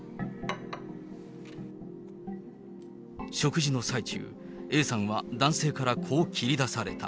食事の最中、Ａさんは男性からこう切り出された。